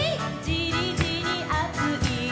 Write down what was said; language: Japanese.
「じりじりあつい」